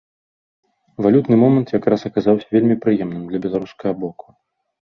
Валютны момант якраз аказаўся вельмі прыемным для беларускага боку.